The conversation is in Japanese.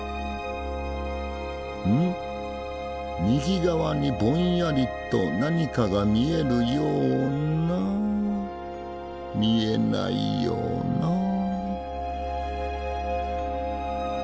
右側にぼんやりと何かが見えるような見えないような。